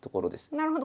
なるほど。